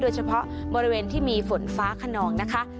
เฉพาะบริเวณที่มีฝนฟ้าขนองนะคะ